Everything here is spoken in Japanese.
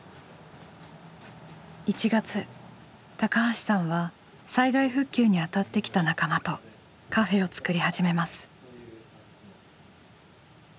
１月橋さんは災害復旧にあたってきた仲間とカフェをつくり始めます。